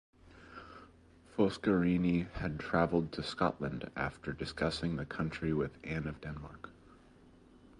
Foscarini had travelled to Scotland after discussing the country with Anne of Denmark.